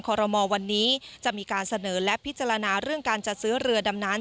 คอรมอวันนี้จะมีการเสนอและพิจารณา